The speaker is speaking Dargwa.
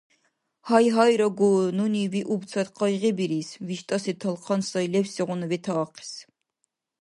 Гьайгьайрагу, нуни виубцад къайгъибирис, виштӀаси талхъан сай левсигъуна ветаахъес.